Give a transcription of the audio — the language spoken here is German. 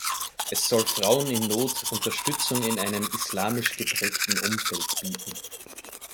Es soll Frauen in Not Unterstützung in einem „islamisch-geprägten Umfeld“ bieten.